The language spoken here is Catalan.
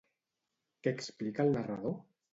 Què explica el narrador?